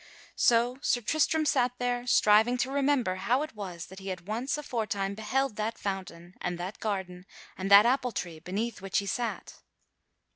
So Sir Tristram sat there, striving to remember how it was that he had once aforetime beheld that fountain and that garden and that appletree beneath which he sat.